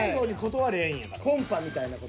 コンパみたいな事。